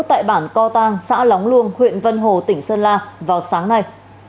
tại bản co tăng xã lóng luông huyện vân hồ tỉnh sơn la vào sáng nay